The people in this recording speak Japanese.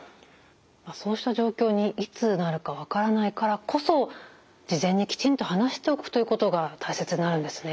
そうした状況にいつなるか分からないからこそ事前にきちんと話しておくということが大切になるんですね。